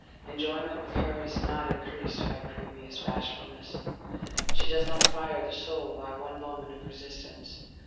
Enjoyment with her is not increased by previous bashfulness;—she does not fire the soul by one moment of resistance.